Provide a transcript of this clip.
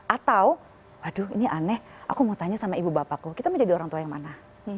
atau aduh ini aneh aku mau tanya sama ibu bapakku kita menjadi orang tua yang mana